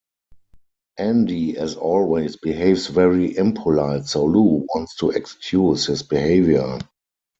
Andy, as always, behaves very impolite, so Lou wants to excuse his behaviour.